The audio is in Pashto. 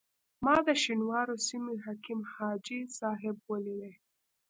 ما د شینوارو سیمې حکیم حاجي صاحب ولیدی.